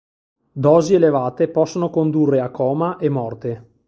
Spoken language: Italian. Dosi elevate possono condurre a coma e morte.